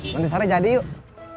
menurut sana jadi yuk